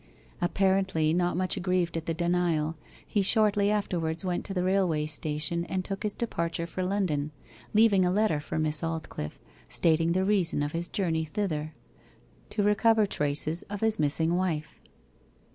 Apparently not much aggrieved at the denial, he shortly afterwards went to the railway station and took his departure for London, leaving a letter for Miss Aldclyffe, stating the reason of his journey thither to recover traces of his missing wife.